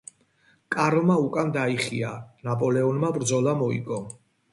კარლმა უკან დაიხია, ნაპოლეონმა ბრძოლა მოიგო.